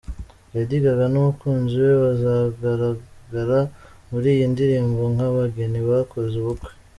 Lady Gaga n'umukunzi we bazagaragara muri iyi ndirimbo nk'abageni bakoze ubukwe.